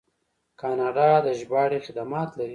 کاناډا د ژباړې خدمات لري.